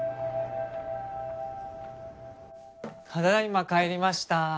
ただ今帰りました。